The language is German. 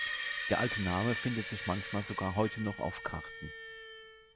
Der alte Name findet sich manchmal sogar heute noch auf Karten.